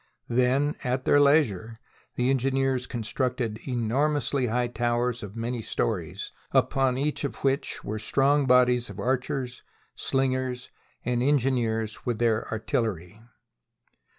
Then, at their leisure, the engineers constructed enormously high towers of many stories, upon each THE BOOK OF FAMOUS SIEGES of which were strong bodies of archers, slingers, and engineers with their artillery.